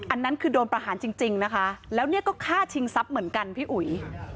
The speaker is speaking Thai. อันนั้นคือโดนประหารจริงนะคะแล้วเนี่ยก็ฆ่าชิงทรัพย์เหมือนกันพี่อุ๋ย